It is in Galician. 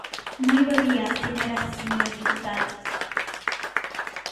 Moi bo día, señoras e señores deputados.